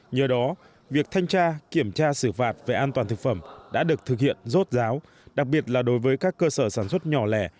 nhờ đó việc thanh tra kiểm tra xử phạt về an toàn thực phẩm đã được thực hiện rốt ráo đặc biệt là đối với các cơ sở sản xuất nhỏ lẻ